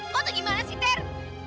kau tuh gimana sih ter